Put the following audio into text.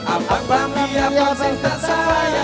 apakah pilihan yang saksa